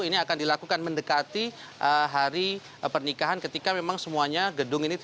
ini akan dilakukan mendekati hari pernikahan ketika memang semuanya gedung ini